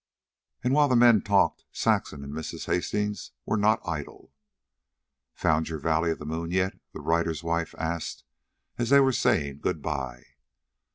And while the men talked, Saxon and Mrs. Hastings were not idle. "Found your valley of the moon yet?" the writer's wife asked, as they were saying good by.